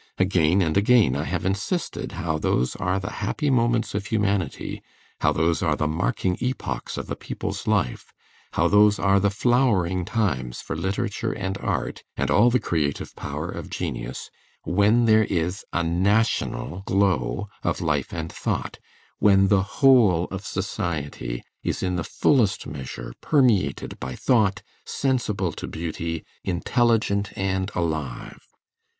Again and again I have insisted how those are the happy moments of humanity, how those are the marking epochs of a people's life, how those are the flowering times for literature and art and all the creative power of genius, when there is a national glow of life and thought, when the whole of society is in the fullest measure permeated by thought, sensible to beauty, intelligent and alive.